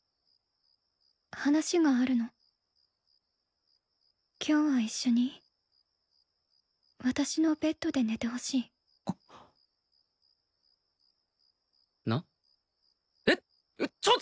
話があるの今日は一緒に私のベッドで寝てほしいなっえっちょっ！